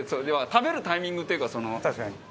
食べるタイミングっていうか。